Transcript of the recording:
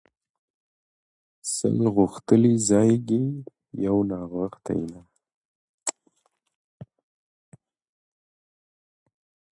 ـ سل غوښتلي ځايږي يو ناغښتى نه.